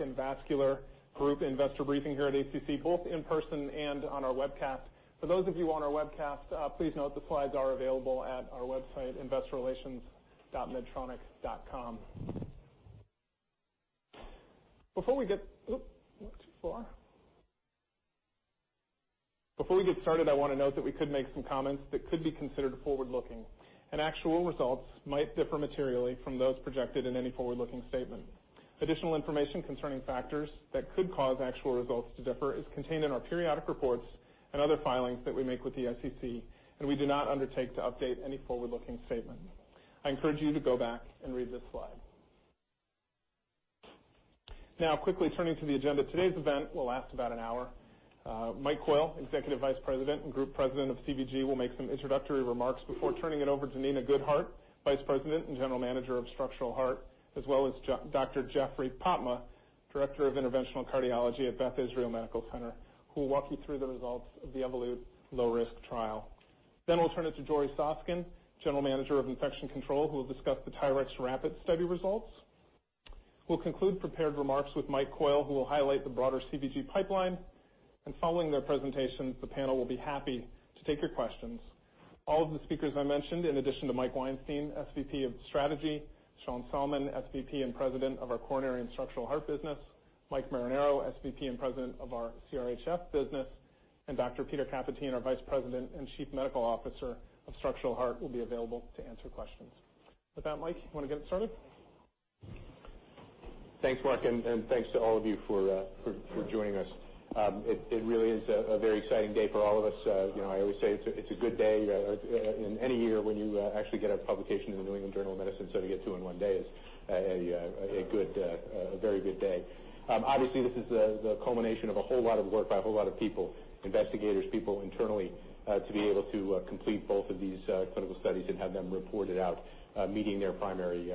and Vascular Group Investor Briefing here at ACC, both in person and on our webcast. For those of you on our webcast, please note the slides are available at our website, investorrelations.medtronic.com. Before we get started, I want to note that we could make some comments that could be considered forward-looking, and actual results might differ materially from those projected in any forward-looking statement. Additional information concerning factors that could cause actual results to differ is contained in our periodic reports and other filings that we make with the SEC, and we do not undertake to update any forward-looking statement. I encourage you to go back and read this slide. Quickly turning to the agenda. Today's event will last about an hour. Mike Coyle, Executive Vice President and Group President of CVG, will make some introductory remarks before turning it over to Nina Goodheart, Vice President and General Manager of Structural Heart, as well as Dr. Jeffrey Popma, Director of Interventional Cardiology at Beth Israel Deaconess Medical Center, who will walk you through the results of the Evolut Low Risk trial. We'll turn it to Jorie Soskin, General Manager of Infection Control, who will discuss the TYRX WRAP-IT study results. We'll conclude prepared remarks with Mike Coyle, who will highlight the broader CVG pipeline. Following their presentations, the panel will be happy to take your questions. All of the speakers I mentioned, in addition to Mike Weinstein, Senior Vice President of Strategy, Sean Salmon, Senior Vice President and President of our Coronary and Structural Heart business, Mike Marinaro, Senior Vice President and President of our CRHF business, and Dr. Peter Catanzetti, our Vice President and Chief Medical Officer of Structural Heart will be available to answer questions. With that, Mike, you want to get started? Thanks, Mark, thanks to all of you for joining us. It really is a very exciting day for all of us. I always say it's a good day in any year when you actually get a publication in The New England Journal of Medicine, so to get two in one day is a very good day. Obviously, this is the culmination of a whole lot of work by a whole lot of people, investigators, people internally, to be able to complete both of these clinical studies and have them reported out meeting their primary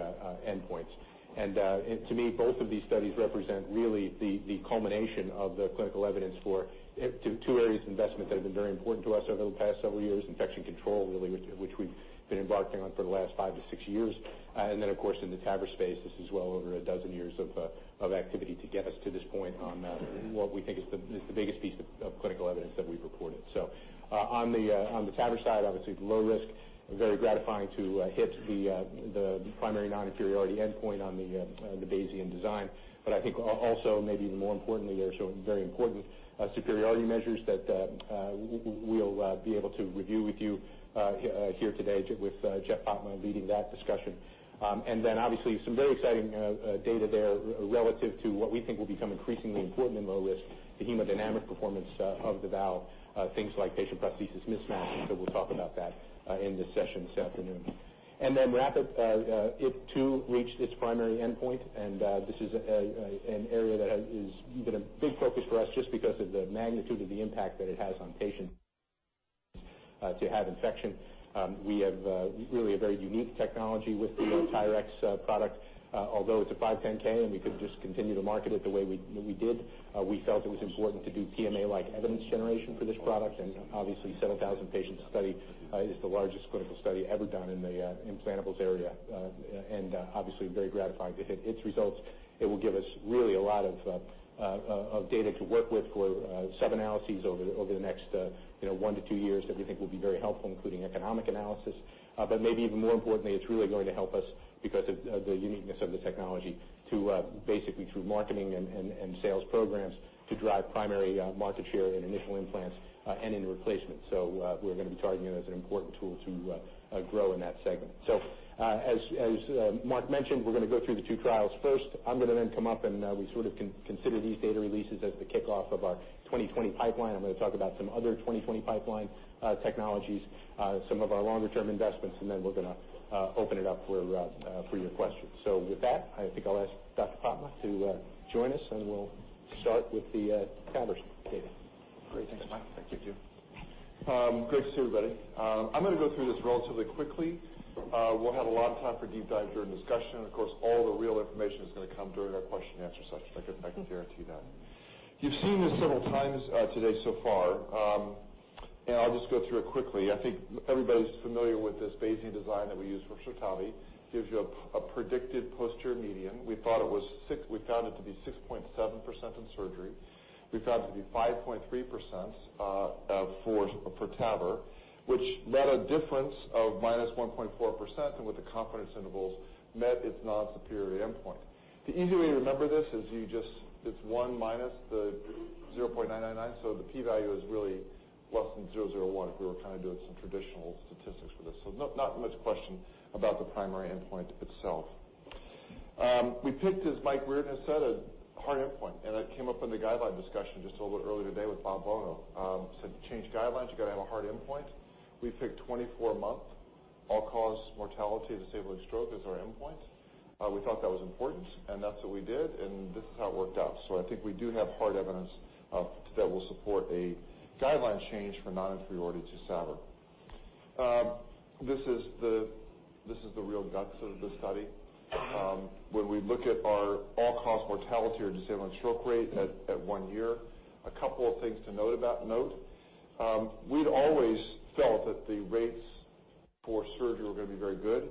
endpoints. To me, both of these studies represent really the culmination of the clinical evidence for two areas of investment that have been very important to us over the past several years, infection control, really, which we've been embarking on for the last five to six years. Then, of course, in the TAVR space, this is well over 12 years of activity to get us to this point on what we think is the biggest piece of clinical evidence that we've reported. On the TAVR side, obviously with low risk, very gratifying to hit the primary non-inferiority endpoint on the Bayesian design. I think also maybe even more importantly, they're showing very important superiority measures that we'll be able to review with you here today with Jeff Popma leading that discussion. Then obviously some very exciting data there relative to what we think will become increasingly important in low risk, the hemodynamic performance of the valve, things like patient prosthesis mismatch. We'll talk about that in this session this afternoon. Then WRAP-IT, it too reached its primary endpoint, this is an area that has been a big focus for us just because of the magnitude of the impact that it has on patients to have infection. We have really a very unique technology with the TYRX product. Although it's a 510(k) and we could just continue to market it the way we did, we felt it was important to do PMA-like evidence generation for this product. Obviously, a 7,000-patient study is the largest clinical study ever done in the implantables area. Obviously very gratifying with its results. It will give us really a lot of data to work with for sub-analyses over the next one to two years that we think will be very helpful, including economic analysis. Maybe even more importantly, it's really going to help us because of the uniqueness of the technology to basically through marketing and sales programs to drive primary market share in initial implants and in replacement. We're going to be targeting it as an important tool to grow in that segment. As Mark mentioned, we're going to go through the two trials first. I'm going to then come up, we sort of consider these data releases as the kickoff of our 2020 pipeline. I'm going to talk about some other 2020 pipeline technologies, some of our longer-term investments, we're going to open it up for your questions. With that, I think I'll ask Dr. Popma to join us, we'll start with the TAVR data. Great. Thanks, Mike. Thank you. Great to see everybody. I'm going to go through this relatively quickly. We'll have a lot of time for deep dive during discussion, of course, all the real information is going to come during our question and answer session. I can guarantee that. You've seen this several times today so far. I'll just go through it quickly. I think everybody's familiar with this Bayesian design that we use for SURTAVI. Gives you a predicted posterior median. We found it to be 6.7% in surgery. We found it to be 5.3% for TAVR, which net a difference of -1.4% and with the confidence intervals met its non-superiority endpoint. The easy way to remember this is you just, it's one minus the 0.999, so the P value is really less than 001 if we were kind of doing some traditional statistics for this. Not much question about the primary endpoint itself. We picked, as Mike Reardon has said, a hard endpoint, that came up in the guideline discussion just a little bit earlier today with Bob Bonow. Said to change guidelines, you got to have a hard endpoint. We picked 24-month all-cause mortality and disabling stroke as our endpoint. We thought that was important, and that's what we did, and this is how it worked out. I think we do have hard evidence that will support a guideline change for non-inferiority to SAVR. This is the real guts of the study. When we look at our all-cause mortality or disabling stroke rate at one year, a couple of things to note. We'd always felt that the rates for surgery were going to be very good.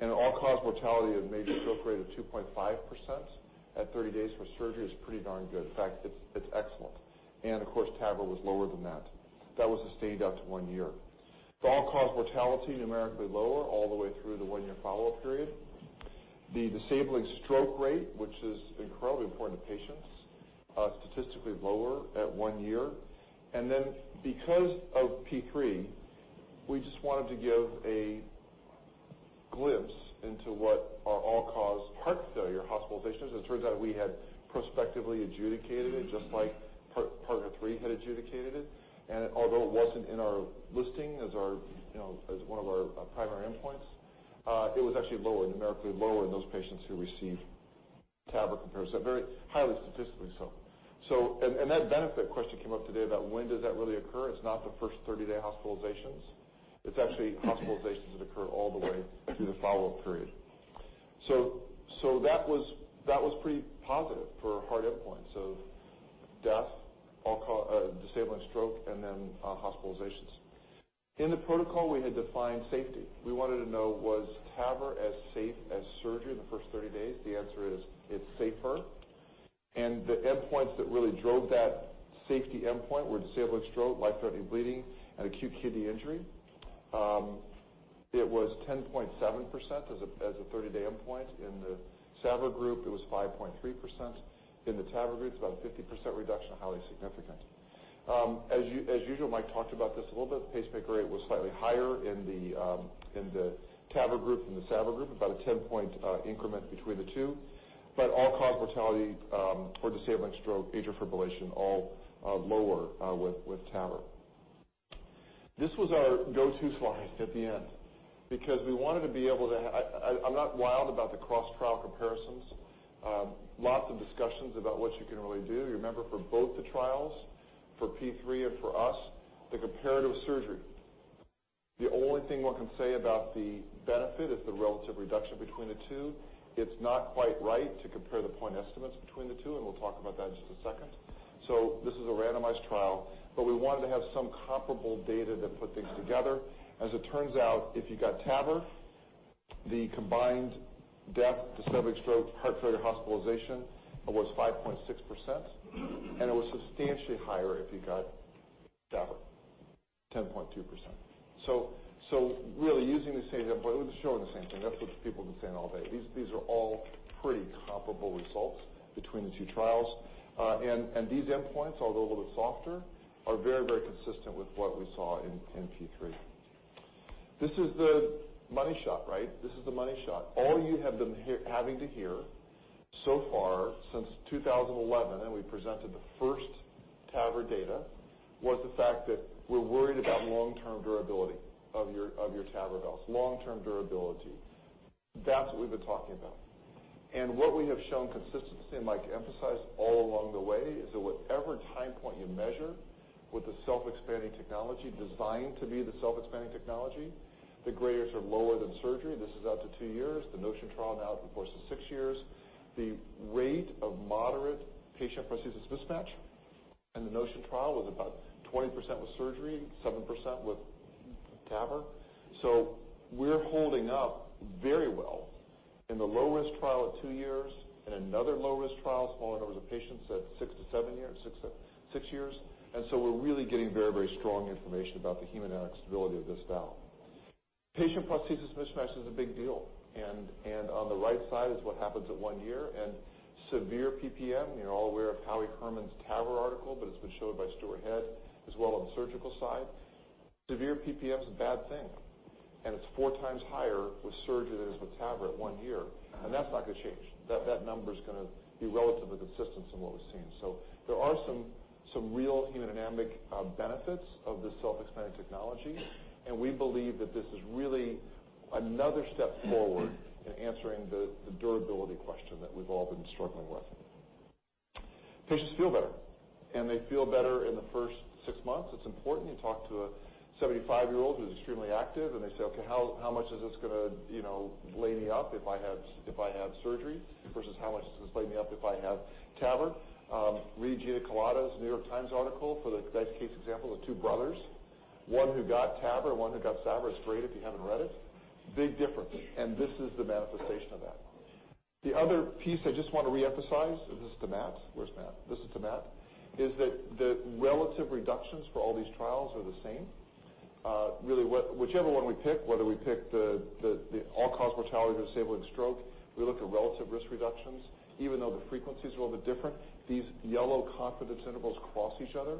All-cause mortality of major stroke rate of 2.5% at 30 days for surgery is pretty darn good. In fact, it's excellent. Of course, TAVR was lower than that. That was sustained up to one year. All-cause mortality numerically lower all the way through the one-year follow-up period. The disabling stroke rate, which is incredibly important to patients, statistically lower at one year. Because of P3, we just wanted to give a glimpse into what our all-cause heart failure hospitalizations, as it turns out, we had prospectively adjudicated it just like PARTNER 3 had adjudicated it. Although it wasn't in our listing as one of our primary endpoints, it was actually lower, numerically lower in those patients who received TAVR compared. Very highly statistically so. That benefit question came up today about when does that really occur? It's not the first 30-day hospitalizations. It's actually hospitalizations that occur all the way through the follow-up period. That was pretty positive for hard endpoints of death, disabling stroke, and then hospitalizations. In the protocol, we had defined safety. We wanted to know was TAVR as safe as surgery in the first 30 days? The answer is it's safer. The endpoints that really drove that safety endpoint were disabling stroke, life-threatening bleeding, and acute kidney injury. It was 10.7% as a 30-day endpoint. In the SAVR group, it was 5.3%. In the TAVR group, it's about a 50% reduction, highly significant. As usual, Mike talked about this a little bit. Pacemaker rate was slightly higher in the TAVR group than the SAVR group, about a 10-point increment between the two. All-cause mortality for disabling stroke, atrial fibrillation, all lower with TAVR. This was our go-to slide at the end because we wanted to be able to. I'm not wild about the cross-trial comparisons. Lots of discussions about what you can really do. You remember for both the trials, for P3 and for us, they compared to surgery. The only thing one can say about the benefit is the relative reduction between the two. It's not quite right to compare the point estimates between the two. We'll talk about that in just a second. This is a randomized trial, but we wanted to have some comparable data that put things together. As it turns out, if you got TAVR, the combined death, disabling stroke, heart failure, hospitalization was 5.6%, and it was substantially higher if you got SAVR, 10.2%. Really using the same endpoint, showing the same thing. That's what people have been saying all day. These are all pretty comparable results between the two trials. These endpoints, although a little bit softer, are very consistent with what we saw in P3. This is the money shot. All you have been having to hear so far since 2011, and we presented the first TAVR data, was the fact that we're worried about long-term durability of your TAVR valves. Long-term durability. That's what we've been talking about. What we have shown consistency, and Mike emphasized all along the way, is that whatever time point you measure with the self-expanding technology designed to be the self-expanding technology, the grades are lower than surgery. This is out to two years. The NOTION trial now reports to six years. The rate of moderate patient-prosthesis mismatch in the NOTION trial was about 20% with surgery, 7% with TAVR. We're holding up very well in the low-risk trial at two years and another low-risk trial, smaller numbers of patients, at six years. We're really getting very strong information about the hemodynamic stability of this valve. Patient-prosthesis mismatch is a big deal. On the right side is what happens at one year. Severe PPM, you're all aware of Howard Herrmann's TAVR article, but it's been showed by Stuart Head as well on the surgical side. Severe PPM is a bad thing, and it's four times higher with surgery than it is with TAVR at one year. That's not going to change. That number's going to be relatively consistent from what we've seen. There are some real hemodynamic benefits of this self-expanding technology, and we believe that this is really another step forward in answering the durability question that we've all been struggling with. Patients feel better, they feel better in the first six months. It's important. You talk to a 75-year-old who's extremely active, they say, "Okay, how much is this going to lay me up if I have surgery versus how much does this lay me up if I have TAVR?" Read Gina Kolata's New York Times article for the best-case example of two brothers. One who got TAVR and one who got SAVR. It's great if you haven't read it. Big difference, this is the manifestation of that. The other piece I just want to reemphasize is this to Matt. Where's Matt? This is to Matt. Is that the relative reductions for all these trials are the same. Really, whichever one we pick, whether we pick the all-cause mortality or disabling stroke, we look at relative risk reductions. Even though the frequencies are a little bit different, these yellow confidence intervals cross each other.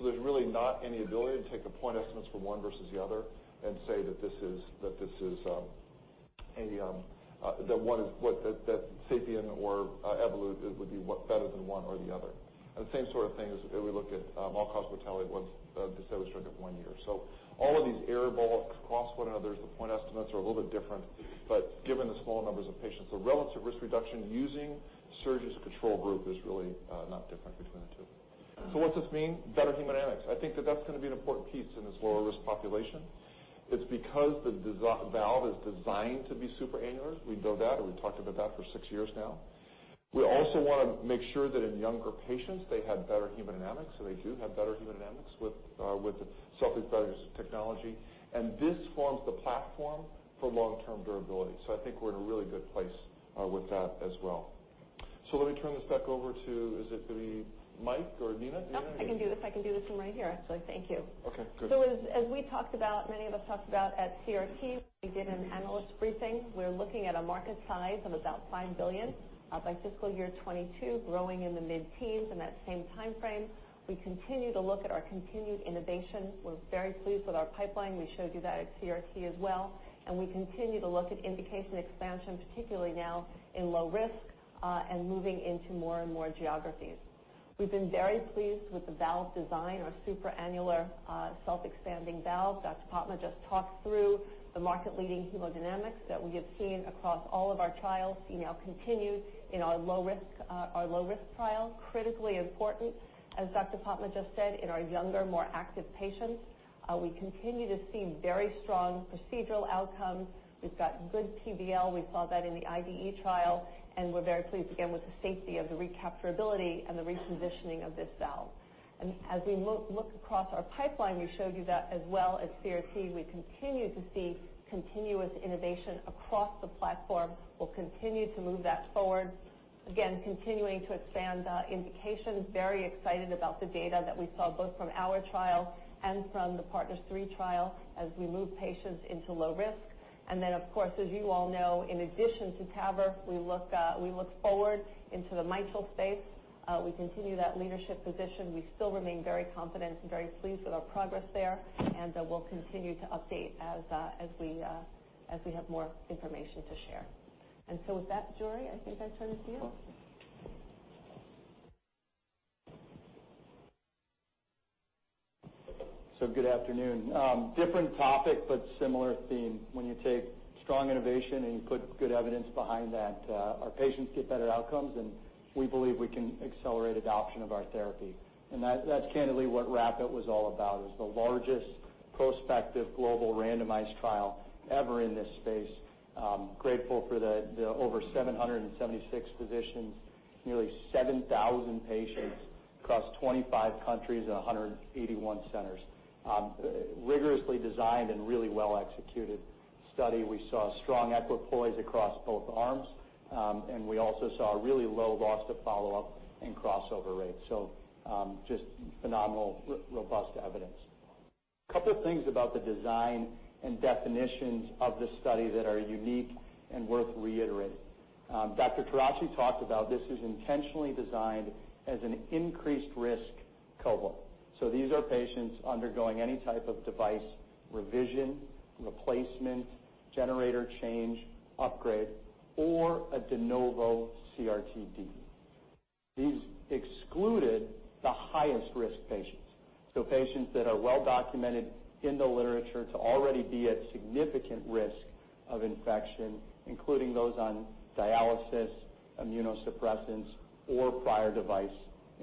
There's really not any ability to take the point estimates from one versus the other and say that SAPIEN or Evolut would be better than one or the other. The same sort of thing as we look at all-cause mortality with disabling stroke at one year. All of these error bars cross one another as the point estimates are a little bit different. Given the small numbers of patients, the relative risk reduction using surgery as a control group is really not different between the two. What's this mean? Better hemodynamics. I think that that's going to be an important piece in this lower-risk population. It's because the valve is designed to be superannular. We know that, we've talked about that for six years now. We also want to make sure that in younger patients, they had better hemodynamics. They do have better hemodynamics with the self-expanding technology, this forms the platform for long-term durability. I think we're in a really good place with that as well. Let me turn this back over to, is it going to be Mike or Nina? Nina, are you- No, I can do this. I can do this from right here, actually. Thank you. Okay, good. As many of us talked about at CRT, we did an analyst briefing. We're looking at a market size of about $5 billion by fiscal year 2022, growing in the mid-teens in that same timeframe. We continue to look at our continued innovation. We're very pleased with our pipeline. We showed you that at CRT as well, we continue to look at indication expansion, particularly now in low risk, and moving into more and more geographies. We've been very pleased with the valve design, our supra-annular self-expanding valve. Dr. Popma just talked through the market-leading hemodynamics that we have seen across all of our trials, see now continued in our low-risk trial. Critically important, as Dr. Popma just said, in our younger, more active patients. We continue to see very strong procedural outcomes. We've got good PVL. We saw that in the IDE trial, we're very pleased, again, with the safety of the recapturability and the repositioning of this valve. As we look across our pipeline, we showed you that as well at CRT, we continue to see continuous innovation across the platform. We'll continue to move that forward. Again, continuing to expand the indications. Very excited about the data that we saw, both from our trial and from the PARTNER 3 trial as we move patients into low risk. Of course, as you all know, in addition to TAVR, we look forward into the mitral space. We continue that leadership position. We still remain very confident and very pleased with our progress there, and we'll continue to update as we have more information to share. With that, Jorie, I think I turn to you. Good afternoon. Different topic, but similar theme. When you take strong innovation and you put good evidence behind that, our patients get better outcomes, and we believe we can accelerate adoption of our therapy. That's candidly what WRAP-IT was all about. It was the largest prospective global randomized trial ever in this space. I'm grateful for the over 776 physicians, nearly 7,000 patients across 25 countries and 181 centers. A rigorously designed and really well-executed study. We saw strong equipoise across both arms, we also saw a really low loss to follow-up and crossover rates. Just phenomenal, robust evidence. A couple of things about the design and definitions of this study that are unique and worth reiterating. Dr. Tarakji talked about this was intentionally designed as an increased risk cohort. These are patients undergoing any type of device revision, replacement, generator change, upgrade, or a de novo CRT-D. These excluded the highest risk patients. Patients that are well documented in the literature to already be at significant risk of infection, including those on dialysis, immunosuppressants, or prior device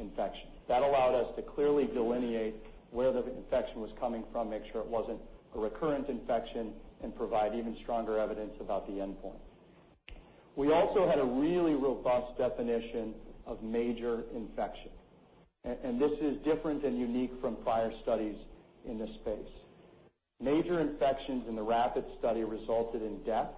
infection. That allowed us to clearly delineate where the infection was coming from, make sure it wasn't a recurrent infection, and provide even stronger evidence about the endpoint. We also had a really robust definition of major infection. This is different and unique from prior studies in this space. Major infections in the WRAP-IT study resulted in death,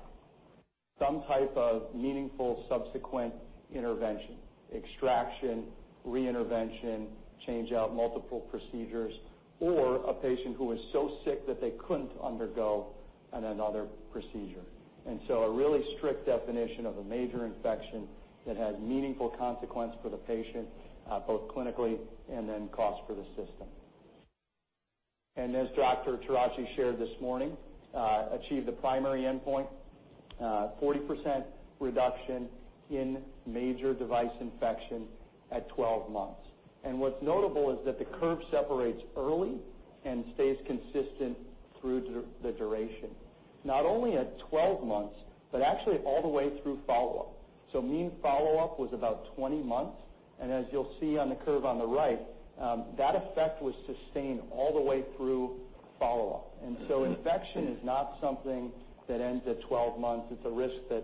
some type of meaningful subsequent intervention, extraction, re-intervention, change out multiple procedures, or a patient who was so sick that they couldn't undergo another procedure. A really strict definition of a major infection that had meaningful consequence for the patient, both clinically and then cost for the system. As Dr. Tarakji shared this morning, achieved the primary endpoint, 40% reduction in major device infection at 12 months. What's notable is that the curve separates early and stays consistent through the duration. Not only at 12 months, but actually all the way through follow-up. Mean follow-up was about 20 months, and as you'll see on the curve on the right, that effect was sustained all the way through follow-up. Infection is not something that ends at 12 months. It's a risk that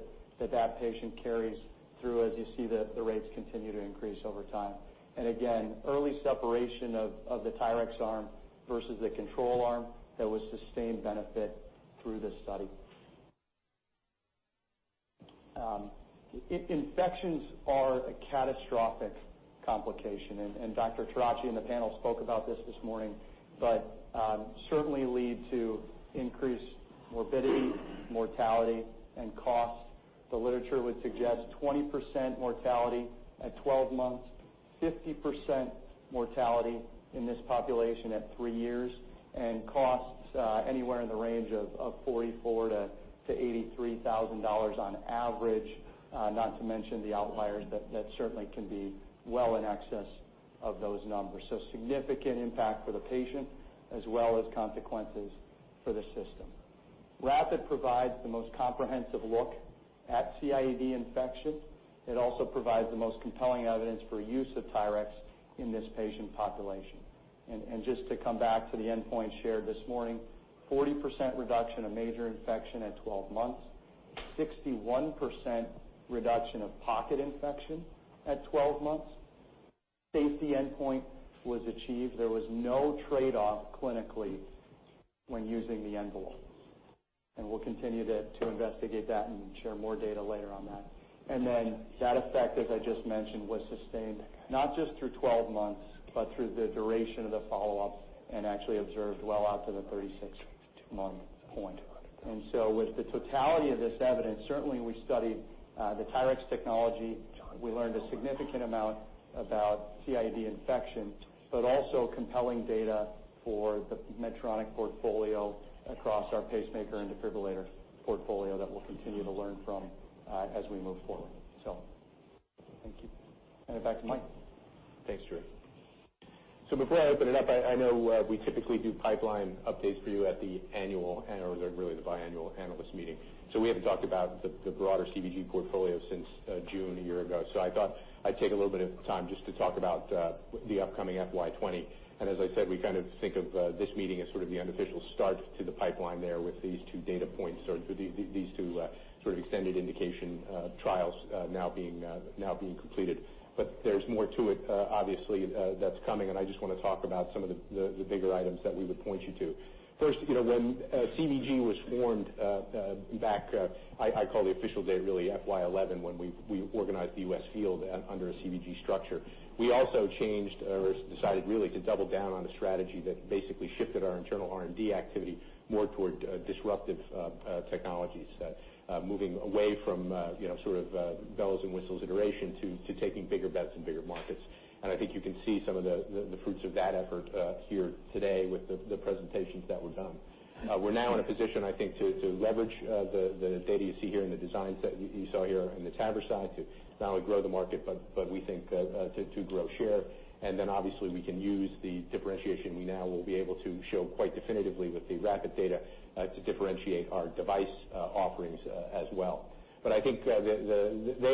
that patient carries through as you see the rates continue to increase over time. Again, early separation of the TYRX arm versus the control arm, that was sustained benefit through the study. Infections are a catastrophic complication. Dr. Tarakji and the panel spoke about this this morning, certainly lead to increased morbidity, mortality, and cost. The literature would suggest 20% mortality at 12 months, 50% mortality in this population at three years, and costs anywhere in the range of $44,000-$83,000 on average, not to mention the outliers that certainly can be well in excess of those numbers. Significant impact for the patient, as well as consequences for the system. WRAP-IT provides the most comprehensive look at CIED infection. It also provides the most compelling evidence for use of TYRX in this patient population. Just to come back to the endpoint shared this morning, 40% reduction of major infection at 12 months, 61% reduction of pocket infection at 12 months. Safety endpoint was achieved. There was no trade-off clinically when using the envelopes. We'll continue to investigate that and share more data later on that. That effect, as I just mentioned, was sustained not just through 12 months, but through the duration of the follow-up, and actually observed well out to the 36-month point. With the totality of this evidence, certainly we studied the TYRX technology. We learned a significant amount about CIED infection, but also compelling data for the Medtronic portfolio across our pacemaker and defibrillator portfolio that we'll continue to learn from as we move forward. Thank you. Hand it back to Mike. Thanks, Jorie. Before I open it up, I know we typically do pipeline updates for you at the annual, or really the biannual analyst meeting. We haven't talked about the broader CVG portfolio since June a year ago. I thought I'd take a little bit of time just to talk about the upcoming FY 2020. As I said, we kind of think of this meeting as sort of the unofficial start to the pipeline there with these two data points, or these two sort of extended indication trials now being completed. There's more to it, obviously, that's coming, and I just want to talk about some of the bigger items that we would point you to. First, when CVG was formed back, I call the official date really FY 2011, when we organized the U.S. field under a CVG structure. We also changed or decided really to double down on a strategy that basically shifted our internal R&D activity more toward disruptive technologies, moving away from sort of bells and whistles iteration to taking bigger bets in bigger markets. I think you can see some of the fruits of that effort here today with the presentations that were done. We're now in a position, I think, to leverage the data you see here and the design set you saw here in the TAVR side to not only grow the market, but we think to grow share. Obviously we can use the differentiation we now will be able to show quite definitively with the WRAP-IT data to differentiate our device offerings as well. I think they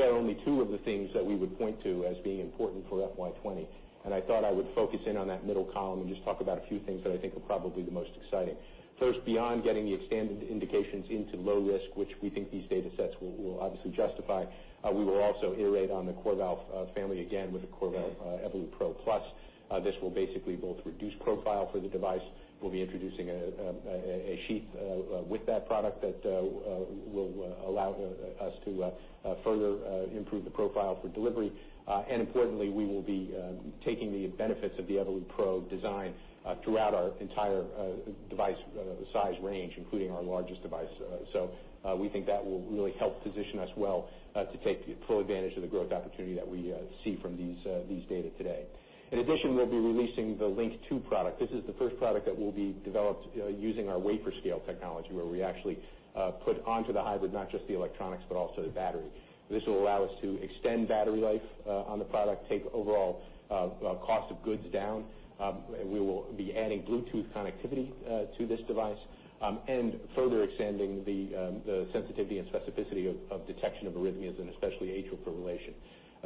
are only two of the things that we would point to as being important for FY 2020. I thought I would focus in on that middle column and just talk about a few things that I think are probably the most exciting. First, beyond getting the expanded indications into low risk, which we think these data sets will obviously justify, we will also iterate on the CoreValve family again with the CoreValve Evolut PRO+. This will basically both reduce profile for the device. We'll be introducing a sheath with that product that will allow us to further improve the profile for delivery. Importantly, we will be taking the benefits of the Evolut PRO design throughout our entire device size range, including our largest device. We think that will really help position us well to take full advantage of the growth opportunity that we see from these data today. In addition, we'll be releasing the LINQ II product. This is the first product that will be developed using our wafer-scale technology, where we actually put onto the hybrid not just the electronics, but also the battery. This will allow us to extend battery life on the product, take overall cost of goods down. We will be adding Bluetooth connectivity to this device and further extending the sensitivity and specificity of detection of arrhythmias and especially atrial fibrillation.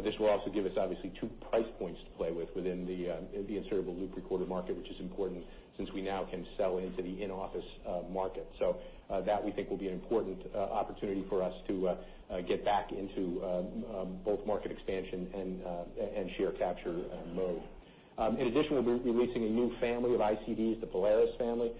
This will also give us obviously two price points to play with within the insertable loop recorder market, which is important since we now can sell into the in-office market. That we think will be an important opportunity for us to get back into both market expansion and share capture mode. In addition, we'll be releasing a new family of ICDs, the Polaris family.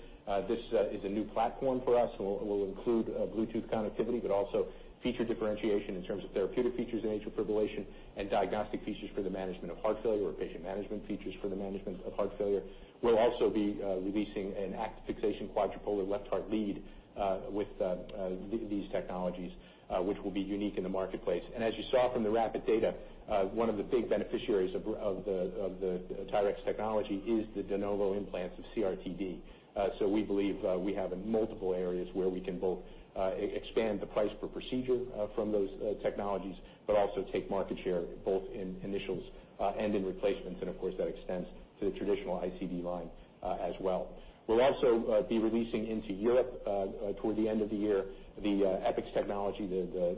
This is a new platform for us. It will include Bluetooth connectivity, also feature differentiation in terms of therapeutic features in atrial fibrillation and diagnostic features for the management of heart failure or patient management features for the management of heart failure. We'll also be releasing an active fixation quadripolar left heart lead with these technologies, which will be unique in the marketplace. As you saw from the WRAP-IT data, one of the big beneficiaries of the TYRX technology is the de novo implants of CRT-D. We believe we have multiple areas where we can both expand the price per procedure from those technologies, also take market share both in initials and in replacements. Of course, that extends to the traditional ICD line as well. We'll also be releasing into Europe toward the end of the year, the EPIX technology, the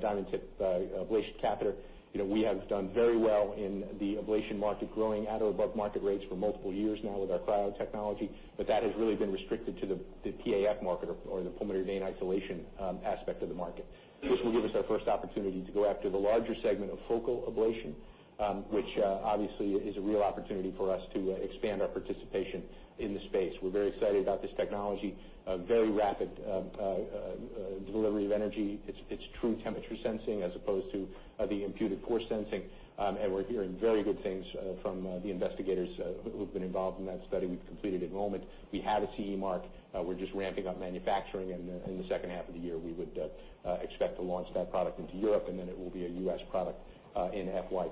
DiamondTemp ablation catheter. We have done very well in the ablation market, growing at or above market rates for multiple years now with our Cryo technology. That has really been restricted to the PAF market or the pulmonary vein isolation aspect of the market. This will give us our first opportunity to go after the larger segment of focal ablation, which obviously is a real opportunity for us to expand our participation in the space. We're very excited about this technology, very rapid delivery of energy. It's true temperature sensing as opposed to the imputed core sensing, and we're hearing very good things from the investigators who've been involved in that study. We've completed enrollment. We have a CE mark. We're just ramping up manufacturing. In the second half of the year, we would expect to launch that product into Europe. It will be a U.S. product in FY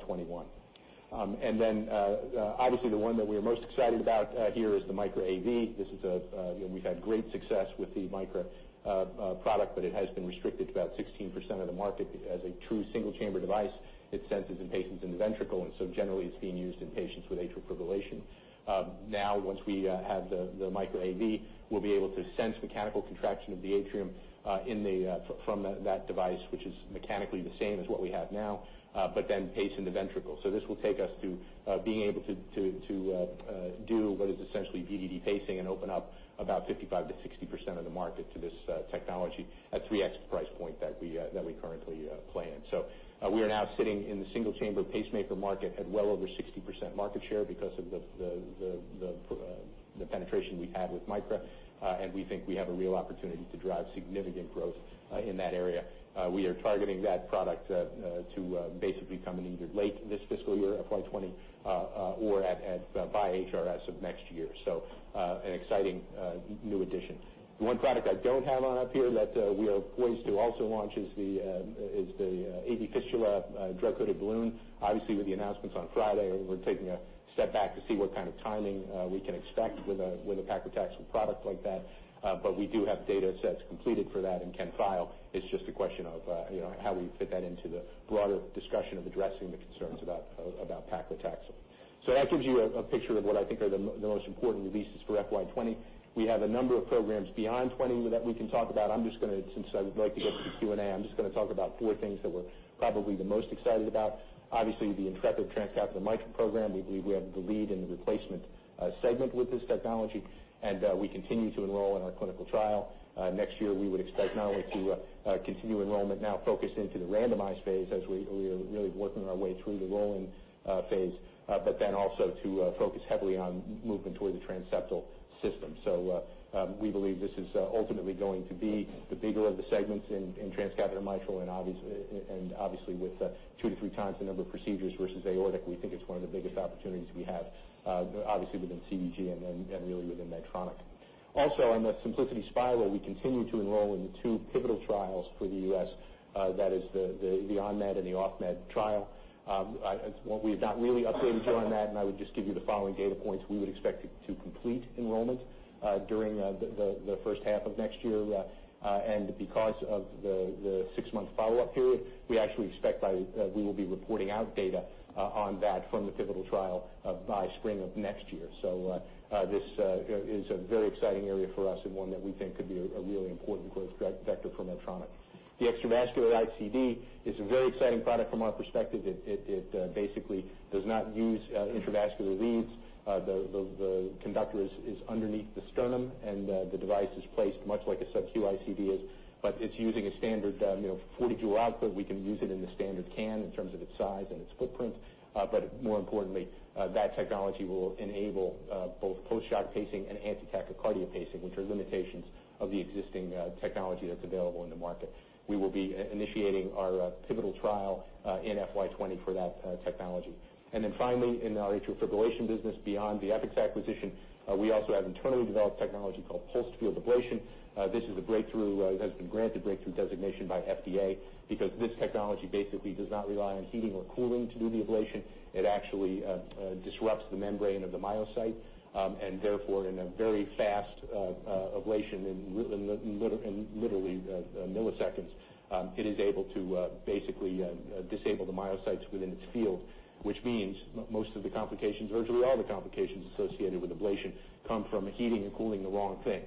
2021. Obviously, the one that we are most excited about here is the Micra AV. We've had great success with the Micra product. It has been restricted to about 16% of the market as a true single-chamber device. It senses impacients in the ventricle. Generally, it's being used in patients with atrial fibrillation. Once we have the Micra AV, we'll be able to sense mechanical contraction of the atrium from that device, which is mechanically the same as what we have now, pace in the ventricle. This will take us to being able to do what is essentially VDD pacing and open up about 55%-60% of the market to this technology at 3X price point that we currently play in. We are now sitting in the single-chamber pacemaker market at well over 60% market share because of the penetration we have with Micra. We think we have a real opportunity to drive significant growth in that area. We are targeting that product to basically come in either late this fiscal year, FY 2020, or by HRS of next year. An exciting new addition. One product I don't have on up here that we are poised to also launch is the IN.PACT AV drug-coated balloon. Obviously, with the announcements on Friday, we're taking a step back to see what kind of timing we can expect with a paclitaxel product like that. We do have data sets completed for that and can file. It's just a question of how we fit that into the broader discussion of addressing the concerns about paclitaxel. That gives you a picture of what I think are the most important releases for FY 2020. We have a number of programs beyond 2020 that we can talk about. Since I would like to get to the Q&A, I'm just going to talk about four things that we're probably the most excited about. Obviously, the Intrepid transcatheter mitral program, we believe we have the lead in the replacement segment with this technology, and we continue to enroll in our clinical trial. Next year, we would expect not only to continue enrollment now focused into the randomized phase as we are really working our way through the rolling phase, also to focus heavily on movement toward the transseptal system. We believe this is ultimately going to be the bigger of the segments in transcatheter mitral, and obviously, with two to three times the number of procedures versus aortic, we think it's one of the biggest opportunities we have, obviously within CVG and then really within Medtronic. Also on the Symplicity Spyral, we continue to enroll in the two pivotal trials for the U.S., that is the on-med and the off-med trial. We have not really updated you on that, and I would just give you the following data points. We would expect to complete enrollment during the first half of next year, because of the 6-month follow-up period, we actually expect we will be reporting out data on that from the pivotal trial by spring of next year. This is a very exciting area for us and one that we think could be a really important growth vector for Medtronic. The extravascular ICD is a very exciting product from our perspective. It basically does not use intravascular leads. The conductor is underneath the sternum, and the device is placed much like a subQ ICD is, it's using a standard 40-joule output. We can use it in the standard can in terms of its size and its footprint. More importantly, that technology will enable both post-shock pacing and anti-tachycardia pacing, which are limitations of the existing technology that's available in the market. We will be initiating our pivotal trial in FY 2020 for that technology. Finally, in our atrial fibrillation business beyond the EPIX acquisition, we also have internally developed technology called pulsed field ablation. This has been granted breakthrough designation by FDA because this technology basically does not rely on heating or cooling to do the ablation. It actually disrupts the membrane of the myocyte, therefore, in a very fast ablation in literally milliseconds, it is able to basically disable the myocytes within its field, which means most of the complications, virtually all the complications associated with ablation come from heating and cooling the wrong thing.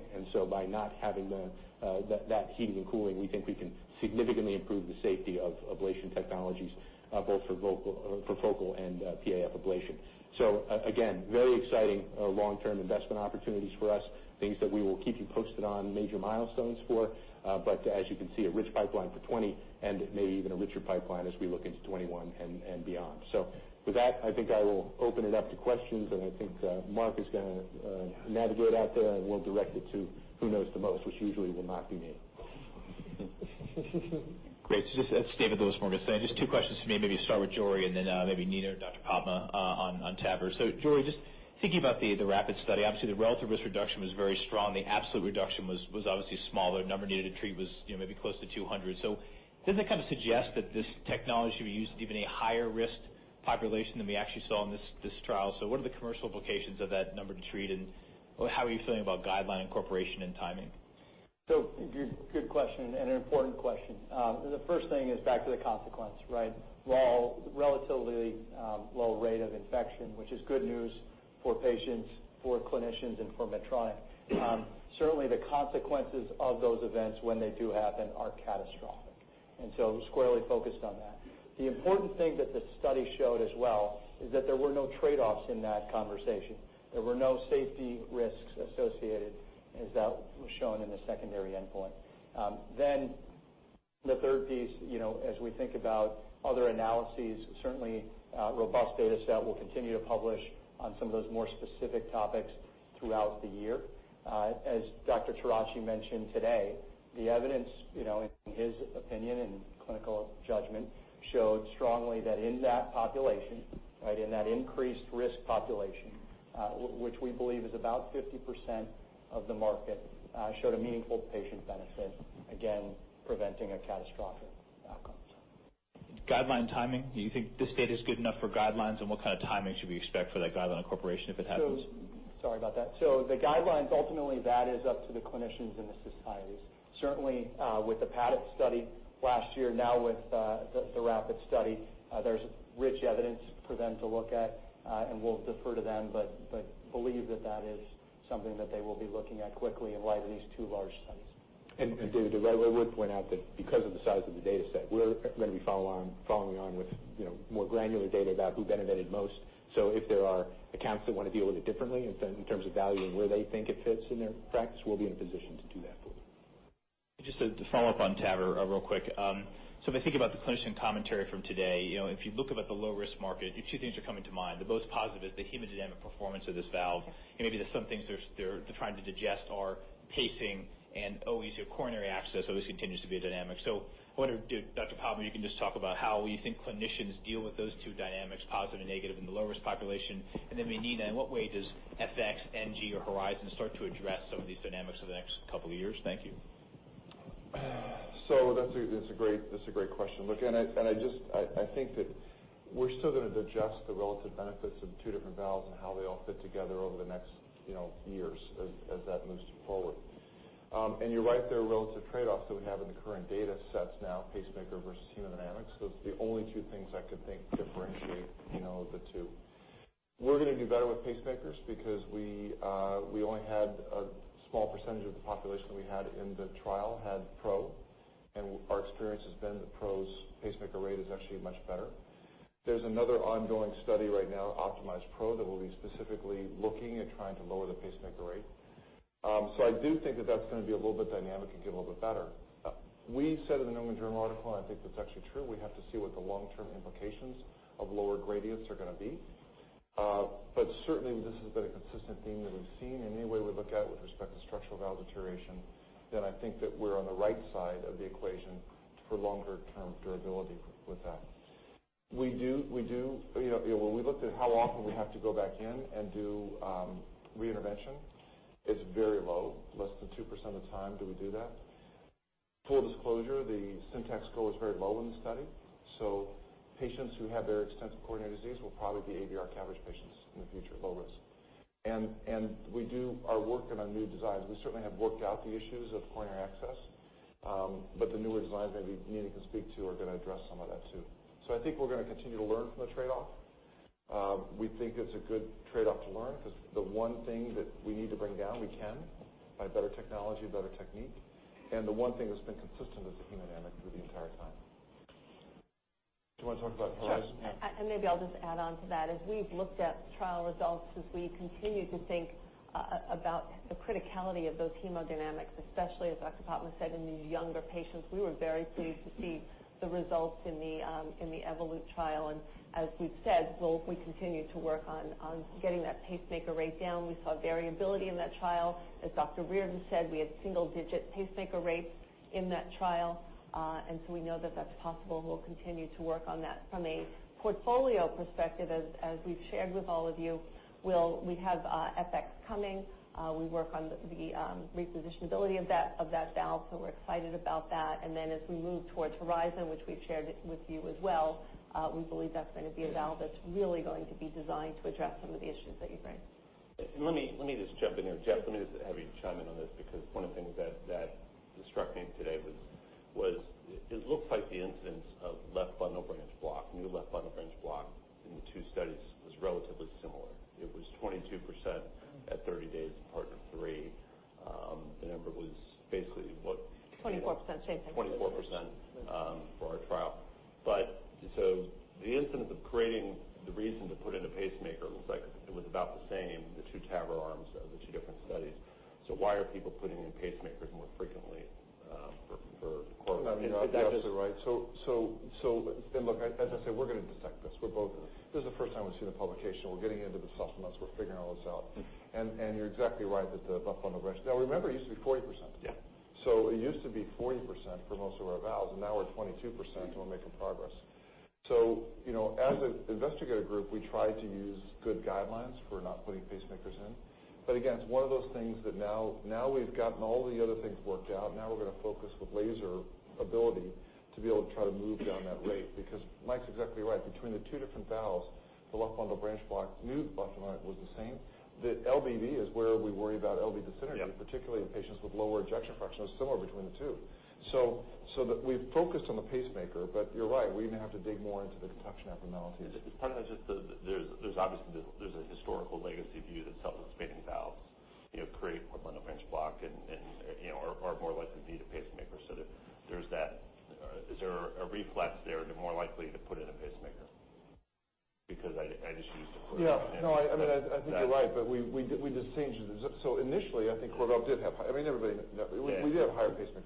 By not having that heating and cooling, we think we can significantly improve the safety of ablation technologies both for focal and PAF ablation. Again, very exciting long-term investment opportunities for us, things that we will keep you posted on major milestones for. As you can see, a rich pipeline for 2020 and maybe even a richer pipeline as we look into 2021 and beyond. With that, I think I will open it up to questions, and I think Mark is going to navigate out there, and we'll direct it to who knows the most, which usually will not be me. Great. It's David, just two questions for me, maybe start with Jorie and then maybe Nina or Dr. Popma on TAVR. Jorie, just thinking about the WRAP-IT study, obviously, the relative risk reduction was very strong. The absolute reduction was obviously smaller. Number needed to treat was maybe close to 200. Doesn't it kind of suggest that this technology be used in even a higher risk population than we actually saw in this trial? What are the commercial implications of that number to treat, and how are you feeling about guideline incorporation and timing? Good question and an important question. The first thing is back to the consequence, right? Relatively low rate of infection, which is good news for patients, for clinicians, and for Medtronic. Certainly, the consequences of those events when they do happen are catastrophic, squarely focused on that. The important thing that the study showed as well is that there were no trade-offs in that conversation. There were no safety risks associated, as that was shown in the secondary endpoint. The third piece, as we think about other analyses, certainly a robust data set we'll continue to publish on some of those more specific topics throughout the year. As Dr. Tarakji mentioned today, the evidence in his opinion and clinical judgment showed strongly that in that population, in that increased risk population, which we believe is about 50% of the market, showed a meaningful patient benefit, again. Guideline timing. Do you think this data is good enough for guidelines? What kind of timing should we expect for that guideline incorporation, if it happens? Sorry about that. The guidelines, ultimately, that is up to the clinicians and the societies. Certainly, with the PADIT study last year, now with the WRAP-IT study, there's rich evidence for them to look at, and we'll defer to them, but believe that that is something that they will be looking at quickly in light of these two large studies. David, I would point out that because of the size of the data set, we're going to be following on with more granular data about who benefited most. If there are accounts that want to deal with it differently in terms of valuing where they think it fits in their practice, we'll be in a position to do that for them. Just to follow up on TAVR real quick. If I think about the clinician commentary from today, if you look about the low-risk market, two things are coming to mind. The most positive is the hemodynamic performance of this valve. Maybe there's some things they're trying to digest are pacing and coronary access, so this continues to be a dynamic. Dr. Popma, you can just talk about how you think clinicians deal with those two dynamics, positive and negative in the low-risk population. Maybe Nina, in what way does FX, N+, or Horizon start to address some of these dynamics over the next couple of years? Thank you. That's a great question. Look, I think that we're still going to digest the relative benefits of two different valves and how they all fit together over the next years as that moves forward. You're right, there are relative trade-offs that we have in the current data sets now, pacemaker versus hemodynamics. Those are the only two things I could think differentiate the two. We're gonna do better with pacemakers because we only had a small percentage of the population we had in the trial had PRO, and our experience has been that PRO's pacemaker rate is actually much better. There's another ongoing study right now, OPTIMIZE PRO, that will be specifically looking at trying to lower the pacemaker rate. I do think that that's gonna be a little bit dynamic and get a little bit better. We said in The New England Journal article, I think that's actually true, we have to see what the long-term implications of lower gradients are gonna be. Certainly, this has been a consistent theme that we've seen. Any way we look at it with respect to structural valve deterioration, I think that we're on the right side of the equation for longer-term durability with that. When we looked at how often we have to go back in and do reintervention, it's very low. Less than 2% of the time do we do that. Full disclosure, the SYNTAX score is very low in the study, patients who have very extensive coronary disease will probably be AVR coverage patients in the future at low risk. We do our work in our new designs. We certainly have worked out the issues of coronary access. The newer designs maybe Nina can speak to are gonna address some of that too. I think we're gonna continue to learn from the trade-off. We think it's a good trade-off to learn because the one thing that we need to bring down, we can by better technology, better technique. The one thing that's been consistent is the hemodynamics through the entire time. Do you want to talk about Horizon? Sure. Maybe I'll just add on to that. As we've looked at trial results, as we continue to think about the criticality of those hemodynamics, especially as Dr. Popma said, in these younger patients, we were very pleased to see the results in the Evolut trial. As we've said, we'll continue to work on getting that pacemaker rate down. We saw variability in that trial. As Dr. Reardon said, we had single-digit pacemaker rates in that trial. We know that that's possible. We'll continue to work on that. From a portfolio perspective, as we've shared with all of you, we have FX coming. We work on the repositionability of that valve, so we're excited about that. As we move towards Horizon, which we've shared with you as well, we believe that's gonna be a valve that's really going to be designed to address some of the issues that you bring. Let me just jump in here. Jeff, let me just have you chime in on this because one of the things that struck me today was it looked like the incidence of Left Bundle Branch Block, new Left Bundle Branch Block in the two studies was relatively similar. It was 22% at 30 days in PARTNER 3. The number was basically, what? 24%, Shane, I think. 24% for our trial. The incidence of creating the reason to put in a pacemaker looks like it was about the same, the two TAVR arms of the two different studies. Why are people putting in pacemakers more frequently for CoreValve? Yeah. Absolutely, right. Look, as I said, we're going to dissect this. This is the first time we've seen a publication. We're getting into the supplements. We're figuring all this out. You're exactly right that the left bundle branch. Now remember, it used to be 40%. Yeah. It used to be 40% for most of our valves, now we're at 22%, so we're making progress. As an investigator group, we try to use good guidelines for not putting pacemakers in. Again, it's one of those things that now we've gotten all the other things worked out. We're going to focus with laser ability to be able to try to move down that rate because Mike's exactly right. Between the two different valves, the Left Bundle Branch Block, new Left Bundle Branch Block was the same. The LBBB is where we worry about LV dyssynchrony- Yeah particularly in patients with lower ejection fraction. It was similar between the two. We've focused on the pacemaker. You're right, we're going to have to dig more into the conduction abnormalities. Part of that is just there's obviously a historical legacy view that self-expanding valves create Left Bundle Branch Block and are more likely to need a pacemaker. Is there a reflex there, they're more likely to put in a pacemaker? I just used the CoreValve- Yeah. No, I think you're right. We just changed it. Initially, I think CoreValve did have higher pacemaker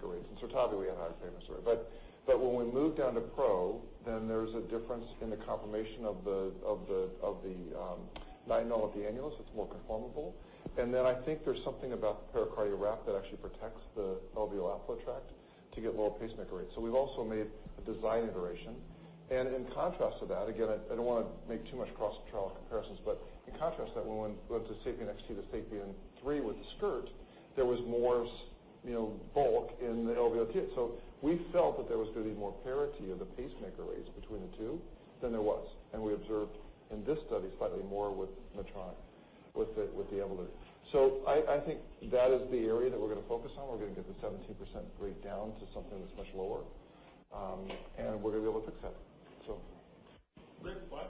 rates. In SURTAVI, we had a higher pacemaker rate. When we moved down to PRO, there's a difference in the conformation of the 9 mm at the annulus. It's more conformable. Then I think there's something about the pericardial wrap that actually protects the left ventricular outflow tract to get lower pacemaker rates. We've also made a design iteration. In contrast to that, again, I don't want to make too much cross-trial comparisons, in contrast to that, when we went to SAPIEN XT to SAPIEN 3 with the skirt, there was more bulk in the LVOT. We felt that there was going to be more parity of the pacemaker rates between the two than there was. We observed in this study slightly more with Medtronic, with the Evolut. I think that is the area that we're going to focus on. We're going to get the 17% rate down to something that's much lower, and we're going to be able to fix that. Rick Wise.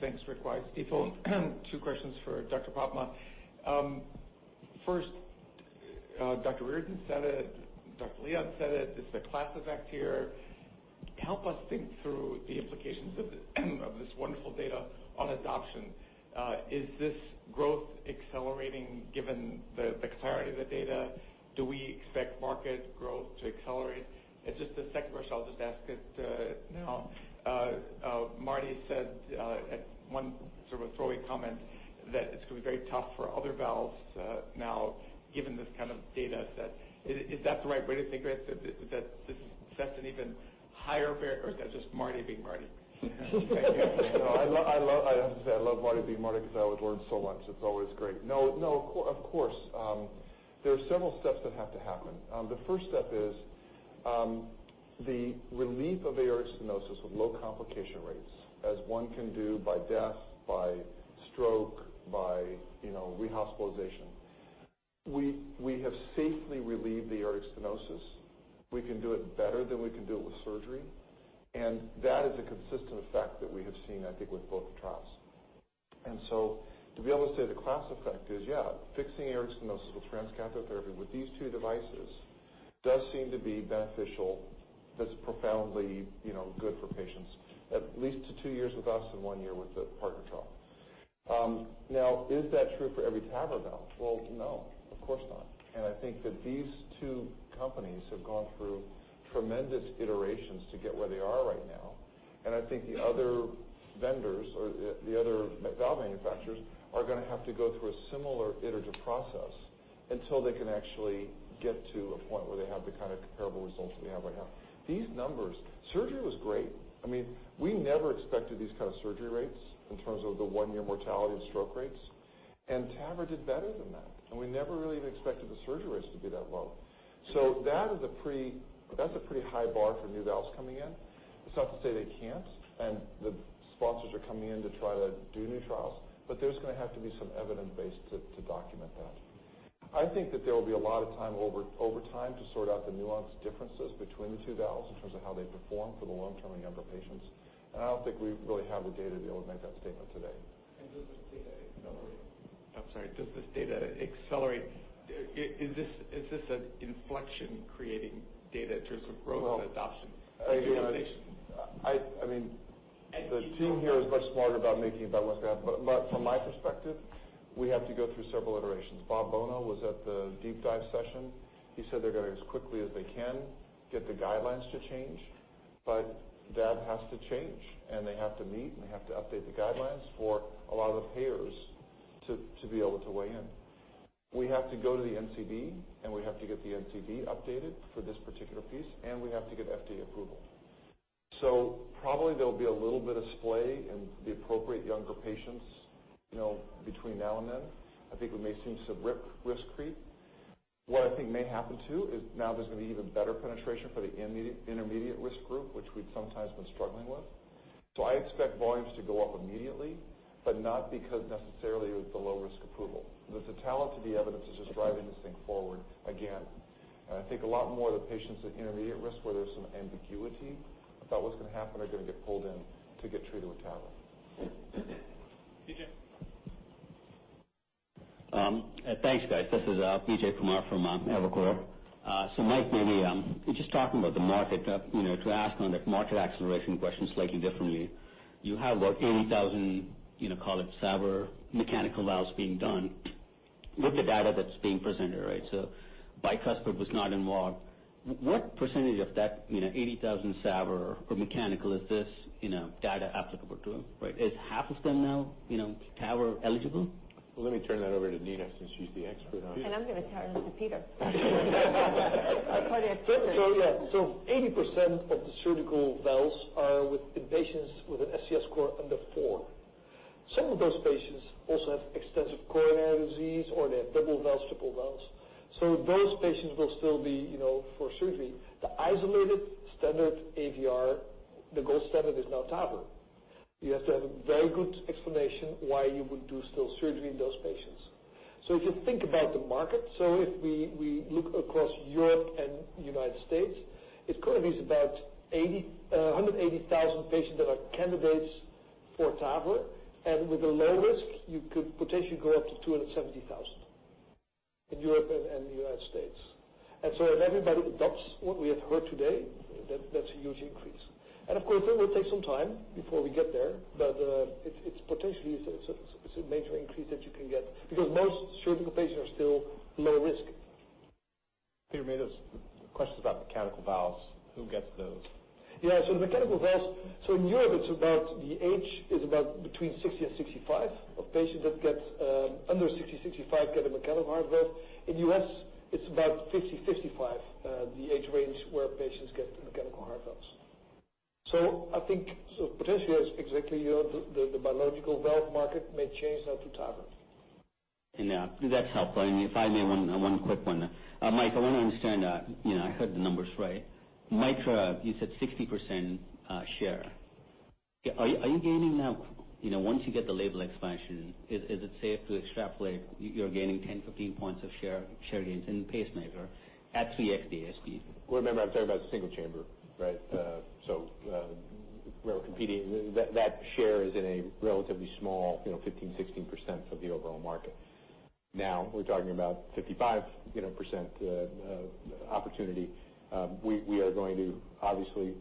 Thanks. Rick Wise, Stifel. Two questions for Dr. Popma. First, Dr. Reardon said it, Dr. Leon said it. This is a class effect here. Help us think through the implications of this wonderful data on adoption. Is this growth accelerating given the clarity of the data? Do we expect market growth to accelerate? Just a second question, I'll just ask it now. Marty said at one sort of throwaway comment that it's going to be very tough for other valves now given this kind of data set. Is that the right way to think of it? That this sets an even higher bar, or is that just Marty being Marty? No. I have to say, I love Marty being Marty because I always learn so much. It's always great. No, of course. There are several steps that have to happen. The first step is the relief of aortic stenosis with low complication rates, as one can do by death, by stroke, by rehospitalization. We have safely relieved the aortic stenosis. We can do it better than we can do it with surgery. That is a consistent effect that we have seen, I think, with both trials. To be able to say the class effect is, yeah, fixing aortic stenosis with transcatheter therapy with these two devices does seem to be beneficial. That's profoundly good for patients, at least to two years with us and one year with the PARTNER trial. Now, is that true for every TAVR valve? Well, no, of course not. I think that these two companies have gone through tremendous iterations to get where they are right now. I think the other vendors, or the other valve manufacturers, are going to have to go through a similar iterative process until they can actually get to a point where they have the kind of comparable results that we have right now. These numbers. Surgery was great. We never expected these kind of surgery rates in terms of the one-year mortality and stroke rates. TAVR did better than that. We never really even expected the surgery rates to be that low. That's a pretty high bar for new valves coming in. It's not to say they can't, and the sponsors are coming in to try to do new trials, but there's going to have to be some evidence base to document that. I think that there will be a lot of time over time to sort out the nuanced differences between the two valves in terms of how they perform for the long-term and younger patients. I don't think we really have the data to be able to make that statement today. Does this data accelerate- No. I'm sorry. Is this an inflection-creating data in terms of growth and adoption? No. Realization. The team here is much smarter about what's going to happen. From my perspective, we have to go through several iterations. Bob Bonow was at the deep dive session. He said they're gonna, as quickly as they can, get the guidelines to change. ACC has to change, and they have to meet, and they have to update the guidelines for a lot of the payers to be able to weigh in. We have to go to the NCD, and we have to get the NCD updated for this particular piece, and we have to get FDA approval. Probably there will be a little bit of splay in the appropriate younger patients between now and then. I think we may see some risk creep. What I think may happen, too, is now there's going to be even better penetration for the intermediate risk group, which we've sometimes been struggling with. I expect volumes to go up immediately, but not because necessarily with the low-risk approval. The totality of the evidence is just driving this thing forward again. I think a lot more of the patients at intermediate risk where there's some ambiguity about what's going to happen are going to get pulled in to get treated with TAVR. Vijay. Thanks, guys. This is Vijay Kumar from Evercore. Mike, maybe just talking about the market, to ask on the market acceleration question slightly differently. You have what, 80,000, call it TAVR mechanical valves being done with the data that's being presented, right? Bicuspid was not involved. What percentage of that 80,000 TAVR or mechanical is this data applicable to? Is half of them now TAVR eligible? Let me turn that over to Nina, since she's the expert on it. I'm going to turn it to Peter. Our cardiac surgeon. Yeah. 80% of the surgical valves are with patients with an STS score under 4. Some of those patients also have extensive coronary disease, or they have double valves, triple valves. Those patients will still be for surgery. The isolated standard AVR, the gold standard is now TAVR. You have to have a very good explanation why you would do still surgery in those patients. If you think about the market, if we look across Europe and the United States, it currently is about 180,000 patients that are candidates for TAVR. With the low risk, you could potentially go up to 270,000 in Europe and the United States. If everybody adopts what we have heard today, that's a huge increase. Of course, it will take some time before we get there. It's potentially a major increase that you can get because most surgical patients are still low risk. Peter made those questions about mechanical valves, who gets those? Yeah. Mechanical valves. In Europe, the age is about between 60 and 65 of patients that get under 60, 65 get a mechanical heart valve. In U.S., it's about 50, 55 the age range where patients get mechanical heart valves. I think potentially, that's exactly the biological valve market may change that dichotomy. Yeah. That's helpful. If I may, one quick one. Mike, I want to understand, I heard the numbers right. Micra, you said 60% share. Are you gaining now, once you get the label expansion, is it safe to extrapolate you're gaining 10, 15 points of share gains in pacemaker at 3x ASP? Well, remember, I'm talking about the single chamber, right? Where we're competing, that share is in a relatively small 15%, 16% of the overall market. Now we're talking about 55% opportunity. We are going to obviously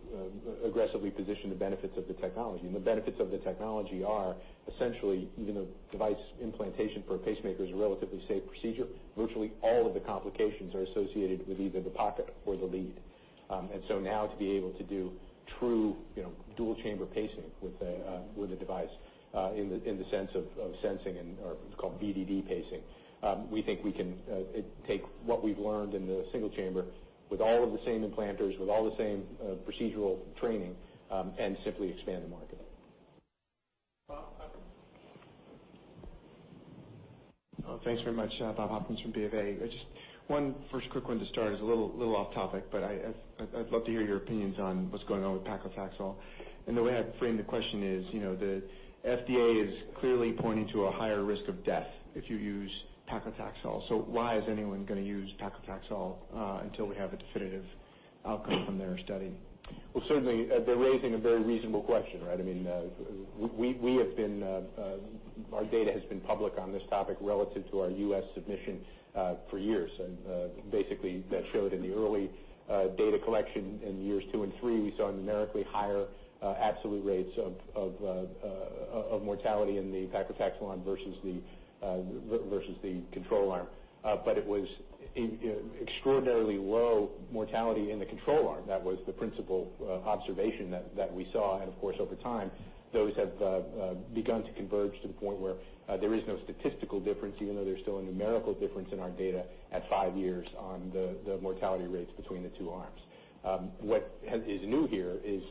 aggressively position the benefits of the technology, the benefits of the technology are essentially, even though device implantation for a pacemaker is a relatively safe procedure, virtually all of the complications are associated with either the pocket or the lead. Now to be able to do true dual chamber pacing with a device in the sense of sensing and/or what's called VDD pacing, we think we can take what we've learned in the single chamber with all of the same implanters, with all the same procedural training, and simply expand the market. Bob Hopkins? Thanks very much. Bob Hopkins from BofA. Just one first quick one to start. It's a little off topic. I'd love to hear your opinions on what's going on with paclitaxel. The way I'd frame the question is, the FDA is clearly pointing to a higher risk of death if you use paclitaxel. Why is anyone going to use paclitaxel until we have a definitive outcome from their study? Well, certainly, they're raising a very reasonable question, right? Our data has been public on this topic relative to our U.S. submission for years. Basically, that showed in the early data collection in years two and three, we saw numerically higher absolute rates of mortality in the paclitaxel arm versus the control arm. It was extraordinarily low mortality in the control arm. That was the principal observation that we saw. Of course, over time, those have begun to converge to the point where there is no statistical difference, even though there's still a numerical difference in our data at five years on the mortality rates between the two arms. What is new here is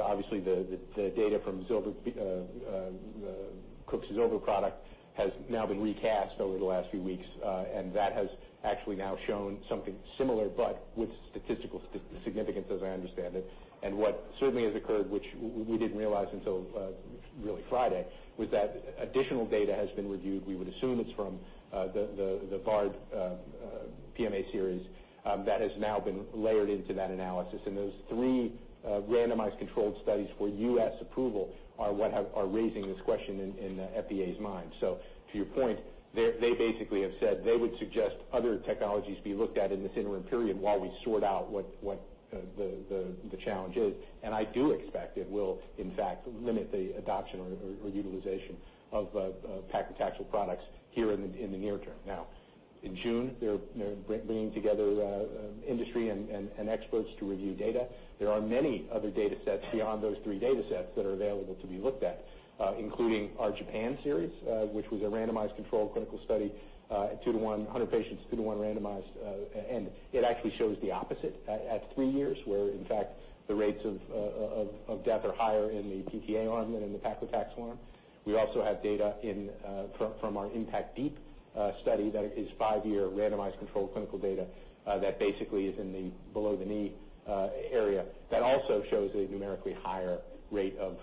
obviously the data from Cook's Zilver product has now been recast over the last few weeks. That has actually now shown something similar, but with statistical significance, as I understand it. What certainly has occurred, which we didn't realize until really Friday, was that additional data has been reviewed. We would assume it's from the Bard PMA series that has now been layered into that analysis. Those three randomized controlled studies for U.S. approval are what are raising this question in the FDA's mind. To your point, they basically have said they would suggest other technologies be looked at in this interim period while we sort out what the challenge is. I do expect it will, in fact, limit the adoption or utilization of paclitaxel products here in the near term. Now, in June, they're bringing together industry and experts to review data. There are many other data sets beyond those three data sets that are available to be looked at, including our Japan series, which was a randomized controlled clinical study, 100 patients, two to one randomized. It actually shows the opposite at three years, where in fact the rates of death are higher in the PTA arm than in the paclitaxel arm. We also have data from our IN.PACT DEEP study that is five-year randomized controlled clinical data that basically is in the below the knee area that also shows a numerically higher rate of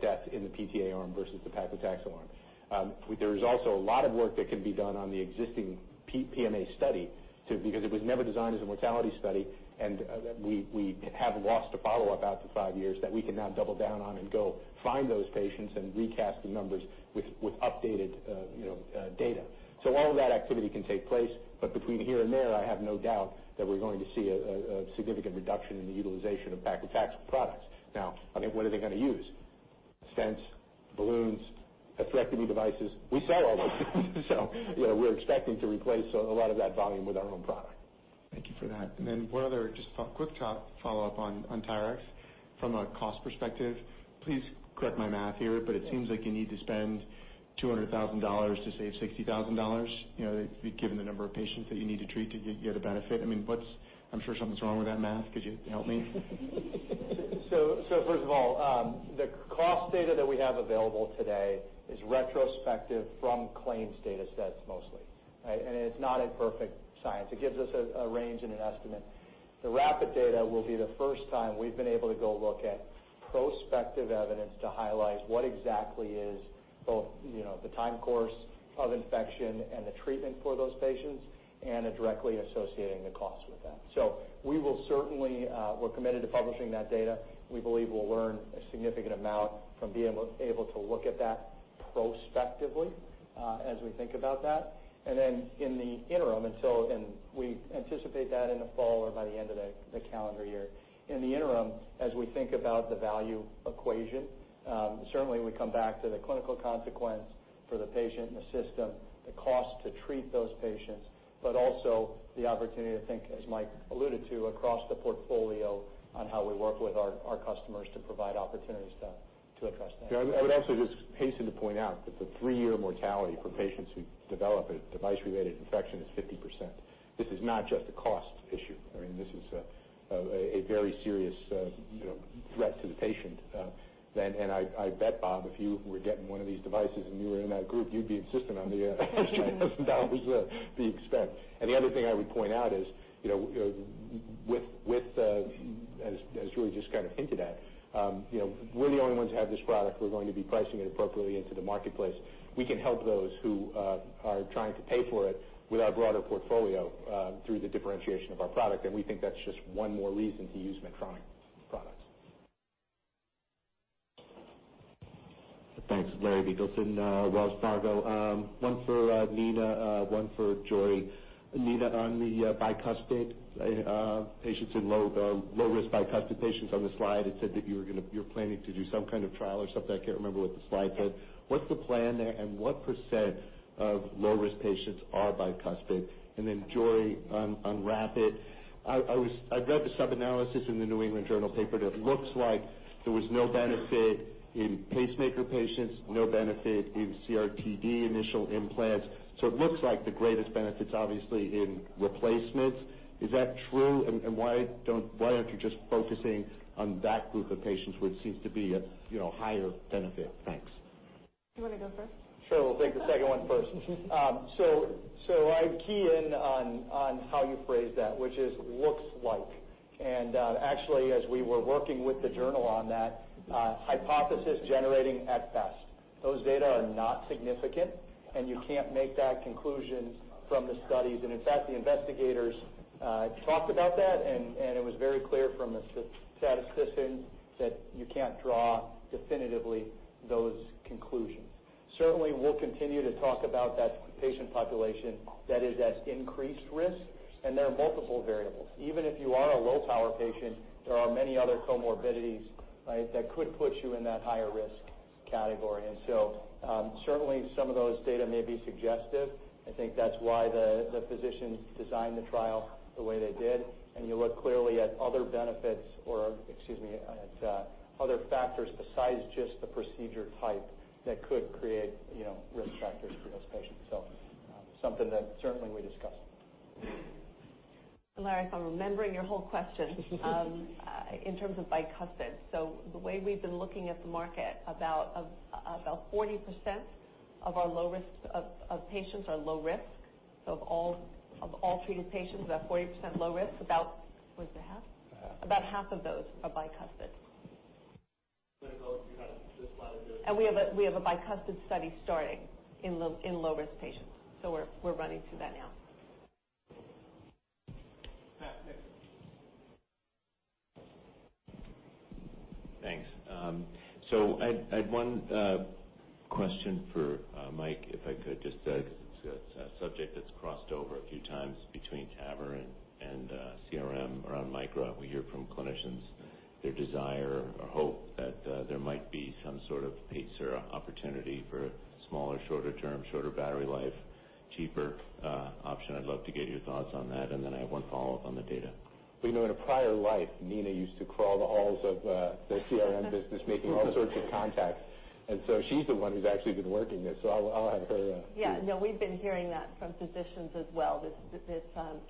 death in the PTA arm versus the paclitaxel arm. There is also a lot of work that can be done on the existing PMA study, because it was never designed as a mortality study, and we have lost a follow-up out to five years that we can now double down on and go find those patients and recast the numbers with updated data. All of that activity can take place, but between here and there, I have no doubt that we're going to see a significant reduction in the utilization of paclitaxel products. Now, I mean, what are they going to use? Stents, balloons, atherectomy devices. We sell all those we're expecting to replace a lot of that volume with our own product. Thank you for that. One other just quick follow-up on TYRX from a cost perspective. Please correct my math here, but it seems like you need to spend $200,000 to save $60,000, given the number of patients that you need to treat to get a benefit. I'm sure something's wrong with that math. Could you help me? First of all, the cost data that we have available today is retrospective from claims data sets mostly. It's not a perfect science. It gives us a range and an estimate. The WRAP-IT data will be the first time we've been able to go look at prospective evidence to highlight what exactly is both the time course of infection and the treatment for those patients and directly associating the cost with that. We're committed to publishing that data. We believe we'll learn a significant amount from being able to look at that prospectively as we think about that. In the interim, we anticipate that in the fall or by the end of the calendar year. In the interim, as we think about the value equation, certainly we come back to the clinical consequence for the patient and the system, the cost to treat those patients, but also the opportunity to think, as Mike alluded to, across the portfolio on how we work with our customers to provide opportunities to address that. Yeah, I would also just hasten to point out that the three-year mortality for patients who develop a device-related infection is 50%. This is not just a cost issue. I mean, this is a very serious threat to the patient. I bet, Bob, if you were getting one of these devices and you were in that group, you'd be insistent on the $19,000 being spent. The other thing I would point out is, as Jorie just kind of hinted at, we're the only ones who have this product. We're going to be pricing it appropriately into the marketplace. We can help those who are trying to pay for it with our broader portfolio through the differentiation of our product, and we think that's just one more reason to use Medtronic products. Thanks. Larry Biegelsen in Wells Fargo. One for Nina, one for Jorie. Nina, on the bicuspid, patients in low risk bicuspid patients on the slide, it said that you're planning to do some kind of trial or something. I can't remember what the slide said. What's the plan there, and what % of low-risk patients are bicuspid? Then Jorie, on WRAP-IT, I read the sub-analysis in The New England Journal of Medicine paper that looks like there was no benefit in pacemaker patients, no benefit in CRT-D initial implants. It looks like the greatest benefit's obviously in replacements. Is that true? Why aren't you just focusing on that group of patients, which seems to be a higher benefit? Thanks. Do you want to go first? Sure. We'll take the second one first. I key in on how you phrased that, which is "looks like." Actually, as we were working with the journal on that, hypothesis-generating at best. Those data are not significant, and you can't make that conclusion from the studies. In fact, the investigators talked about that, and it was very clear from the statistician that you can't draw definitively those conclusions. Certainly, we'll continue to talk about that patient population that is at increased risk. There are multiple variables. Even if you are a low power patient, there are many other comorbidities that could put you in that higher risk category. Certainly, some of those data may be suggestive. I think that's why the physicians designed the trial the way they did. You look clearly at other benefits, or excuse me, at other factors besides just the procedure type that could create risk factors for those patients. Something that certainly we discussed. Larry, if I'm remembering your whole question, in terms of bicuspid, the way we've been looking at the market, about 40% of patients are low risk. Of all treated patients, about 40% low risk. About, what is it, half? Half. About half of those are bicuspid. you had this slide We have a bicuspid study starting in low risk patients. We're running through that now. Pat Nixon. Thanks. I had one question for Mike, if I could, just because it's a subject that's crossed over a few times between TAVR and CRM around Micra. We hear from clinicians their desire or hope that there might be some sort of pacer opportunity for a smaller, shorter term, shorter battery life, cheaper option. I'd love to get your thoughts on that, and then I have one follow-up on the data. Well, in a prior life, Nina used to crawl the halls of the CRM business, making all sorts of contacts. She's the one who's actually been working this, so I'll have her. Yeah, no, we've been hearing that from physicians as well, this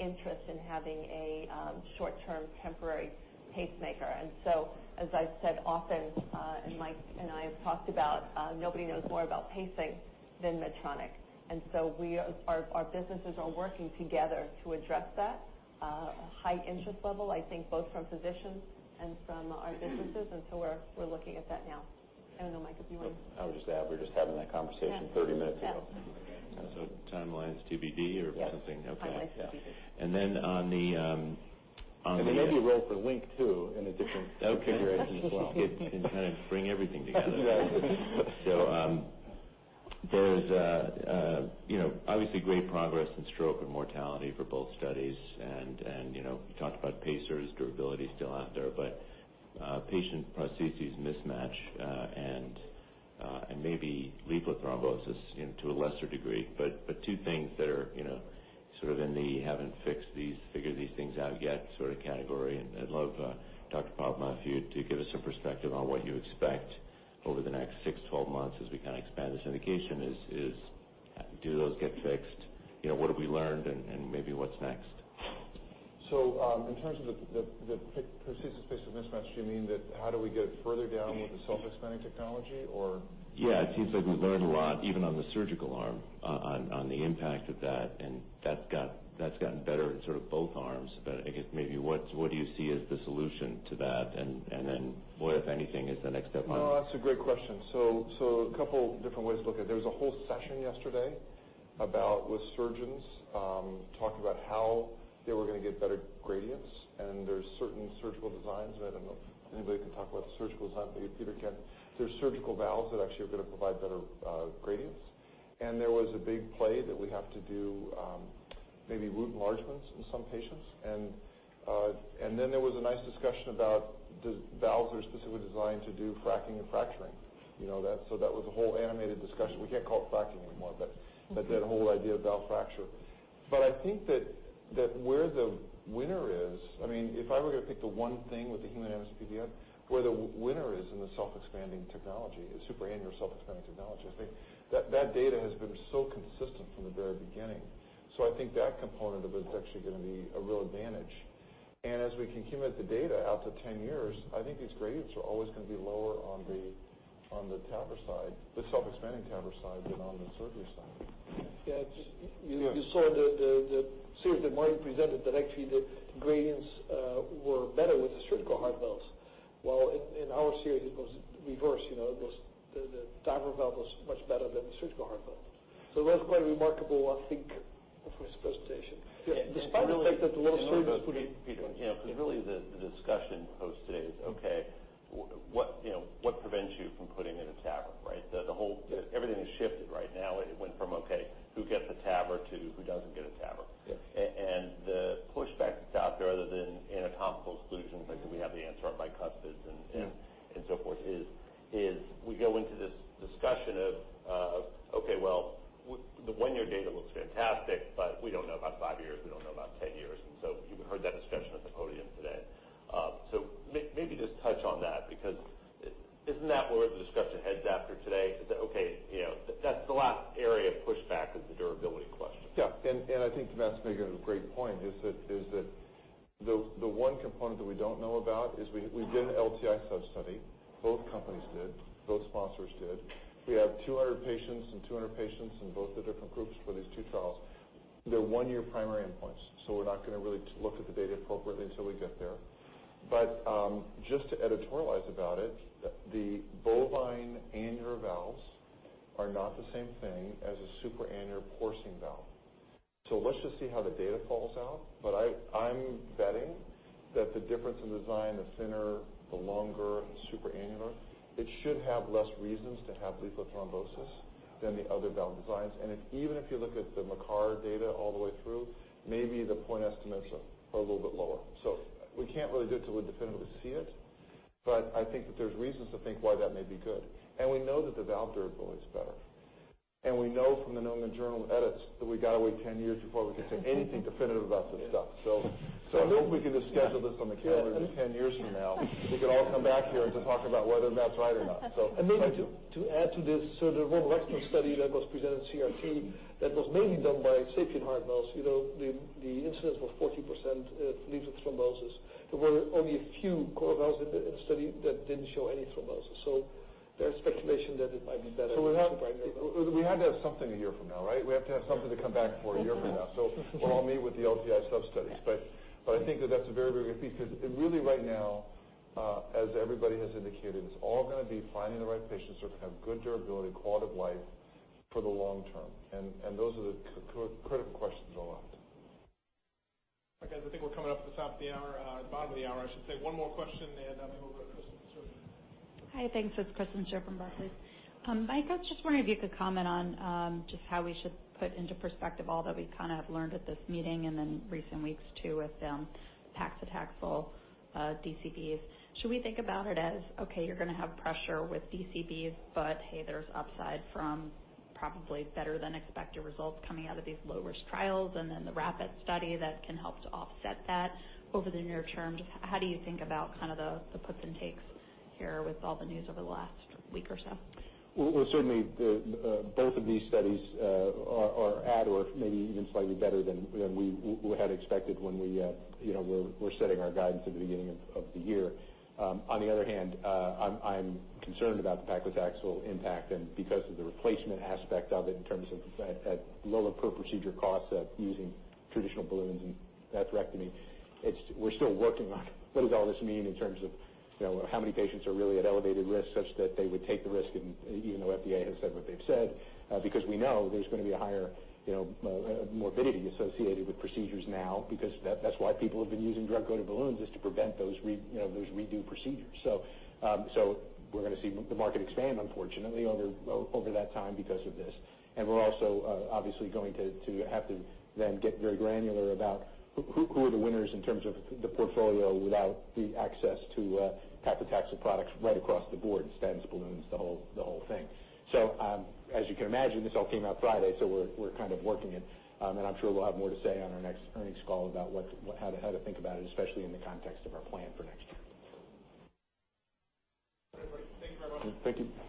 interest in having a short-term temporary pacemaker. As I've said often, and Mike and I have talked about, nobody knows more about pacing than Medtronic. Our businesses are working together to address that. A high interest level, I think both from physicians and from our businesses, and so we're looking at that now. I don't know, Mike, if you want. I was just going to add, we were just having that conversation 30 minutes ago. Okay. Timeline's TBD or something? Yes. Timeline's TBD. Okay. Yeah. There may be a role for LINQ, too, in a different configuration as well. You can kind of bring everything together. Exactly. There's obviously great progress in stroke and mortality for both studies, and you talked about pacers, durability is still out there, but patient-prosthesis mismatch and maybe leaflet thrombosis to a lesser degree, but two things that are sort of in the haven't figured these things out yet sort of category, and I'd love, Dr. Popma, for you to give us some perspective on what you expect over the next six, 12 months as we kind of expand this indication. Do those get fixed? What have we learned, and maybe what's next? In terms of the patient-prosthesis mismatch, do you mean that how do we get further down with the self-expanding technology or? Yeah, it seems like we've learned a lot, even on the surgical arm, on the impact of that, and that's gotten better in sort of both arms. I guess maybe what do you see as the solution to that, and then what, if anything, is the next step? No, that's a great question. A couple different ways to look at it. There was a whole session yesterday with surgeons talking about how they were gonna get better gradients, and there's certain surgical designs, and I don't know if anybody can talk about the surgical design, but maybe Peter can. There's surgical valves that actually are gonna provide better gradients. There was a big play that we have to do maybe root enlargements in some patients. Then there was a nice discussion about the valves that are specifically designed to do fracking and fracturing. That was a whole animated discussion. We can't call it fracking anymore, but that whole idea of valve fracture. I mean, if I were going to pick the one thing with the hemodynamic PVL, where the winner is in the self-expanding technology, the supra-annular self-expanding technology, I think that data has been so consistent from the very beginning. I think that component of it is actually going to be a real advantage. As we can accumulate the data out to 10 years, I think these gradients are always going to be lower on the TAVR side, the self-expanding TAVR side than on the surgery side. Yeah. Yeah. You saw the series that Martin presented that actually the gradients were better with the surgical heart valves, while in our series it was reversed. The TAVR valve was much better than the surgical heart valve. That's quite remarkable, I think, of his presentation. Yeah. Despite the fact that the little surgery was putting. Peter, because really the discussion post today is, what prevents you from putting in a TAVR, right? Everything has shifted right now. It went from, "Who gets a TAVR?" to "Who doesn't get a TAVR? Yes. The pushback that's out there other than anatomical exclusions, like do we have the answer on bicuspids and Yeah and so forth is, we go into this discussion of well, the 1-year data looks fantastic, but we don't know about 5 years, we don't know about 10 years. You heard that discussion at the podium today. Maybe just touch on that because isn't that where the discussion heads after today? Is that's the last area of pushback is the durability question. Yeah. I think Van's making a great point is that the 1 component that we don't know about is we did an HALT sub-study. Both companies did. Both sponsors did. We have 200 patients and 200 patients in both the different groups for these two trials. They're 1-year primary endpoints, so we're not going to really look at the data appropriately until we get there. Just to editorialize about it, the bovine annular valves are not the same thing as a superannular porcine valve. Let's just see how the data falls out. I'm betting that the difference in design, the thinner, the longer, the superannular, it should have less reasons to have leaflet thrombosis than the other valve designs. Even if you look at the Makkar data all the way through, maybe the point estimates are a little bit lower. We can't really do it till we definitively see it, but I think that there's reasons to think why that may be good. We know that the valve durability is better. We know from The New England Journal edits that we got to wait 10 years before we can say anything definitive about this stuff. I hope we can just schedule this on the calendar 10 years from now. We can all come back here and to talk about whether that's right or not. Thank you. Maybe to add to this, the RESOLVE and SAVORY that was presented at CRT that was mainly done by SAPIEN heart valves, the incidence was 40% leaflet thrombosis. There were only a few CoreValve in the study that didn't show any thrombosis. There's speculation that it might be better. We have to have something a year from now, right? We have to have something to come back for a year from now. We're all meet with the HALT sub-studies. I think that that's a very, very good piece because really right now, as everybody has indicated, it's all going to be finding the right patients who are going to have good durability, quality of life for the long term. Those are the critical questions are left. Okay guys, I think we're coming up to the top of the hour, bottom of the hour, I should say. One more question and then we'll go to Kristen Stewart. Hi, thanks. It's Kristen Stewart from Barclays. Mike, I was just wondering if you could comment on just how we should put into perspective all that we've kind of learned at this meeting and then recent weeks too with paclitaxel DCBs. Should we think about it as, okay, you're going to have pressure with DCBs, but hey, there's upside from probably better than expected results coming out of these low-risk trials and then the WRAP-IT study that can help to offset that over the near term. How do you think about kind of the puts and takes here with all the news over the last week or so? Well, certainly both of these studies are at or maybe even slightly better than we had expected when we were setting our guidance at the beginning of the year. On the other hand, I'm concerned about the paclitaxel impact and because of the replacement aspect of it in terms of that low per procedure cost of using traditional balloons and atherectomy. We're still working on what does all this mean in terms of how many patients are really at elevated risk such that they would take the risk, even though FDA has said what they've said. We know there's going to be a higher morbidity associated with procedures now because that's why people have been using drug-coated balloons is to prevent those redo procedures. We're going to see the market expand unfortunately over that time because of this. We're also obviously going to have to then get very granular about who are the winners in terms of the portfolio without the access to paclitaxel products right across the board, stents, balloons, the whole thing. As you can imagine, this all came out Friday, so we're kind of working it. I'm sure we'll have more to say on our next earnings call about how to think about it, especially in the context of our plan for next year. Everybody, thank you very much. Thank you.